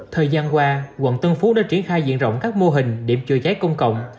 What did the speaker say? thời gian qua quận tân phú đã triển khai diện rộng các mô hình điểm chữa cháy công cộng